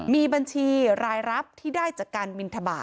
มีบัญชีรายรับที่ได้จากการบินทบาท